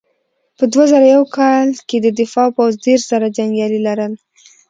په دوه زره یو کال کې د دفاع پوځ دېرش زره جنګیالي لرل.